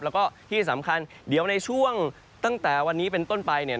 แล้วก็ที่สำคัญเดี๋ยวในช่วงตั้งแต่วันนี้เป็นต้นไป